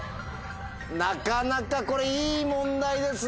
なかなかこれいい問題ですね。